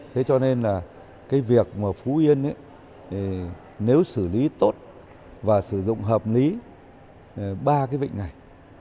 thế cho nên là cái việc mà phú yên nếu xử lý tốt và sử dụng hợp lý ba cái vịnh này